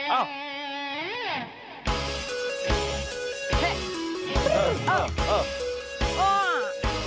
อ้าว